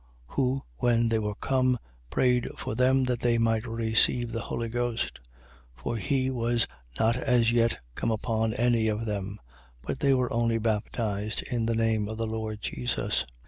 8:15. Who, when they were come, prayed for them that they might receive the Holy Ghost. 8:16. For he was not as yet come upon any of them: but they were only baptized in the name of the Lord Jesus.